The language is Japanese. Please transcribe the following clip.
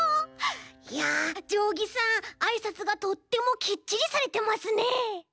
いやじょうぎさんあいさつがとってもキッチリされてますね。